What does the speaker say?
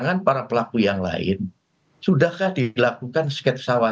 tanpa adanya foto atau sketsa